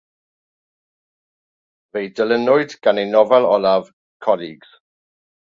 Fe'i dilynwyd gan ei nofel olaf "Collages".